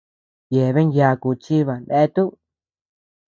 Yebean yaaku chíba neatuu.